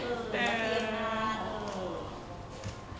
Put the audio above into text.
อืมเป็นไง